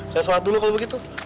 saya sholat dulu kalau begitu